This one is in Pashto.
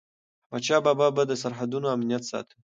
احمدشاه بابا به د سرحدونو امنیت ساته.